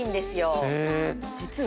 実は。